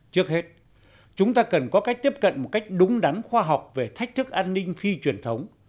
trước hết chúng ta cần có cách tiếp cận một cách đúng đắn khoa học về thách thức an ninh phi truyền thống